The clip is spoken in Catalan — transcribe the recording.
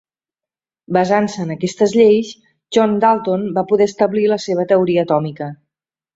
Basant-se en aquestes lleis, John Dalton va poder establir la seva teoria atòmica.